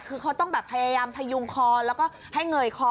คือเขาต้องแบบพยายามพยุงคอแล้วก็ให้เงยคอ